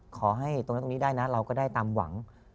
ขอให้ตรงนั้นตรงนี้ได้นะเราก็ได้ตามหวัง